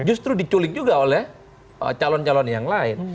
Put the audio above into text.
menculik juga oleh calon calon yang lain